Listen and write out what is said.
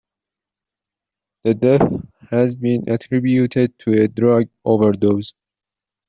The death has been attributed to a drug overdose.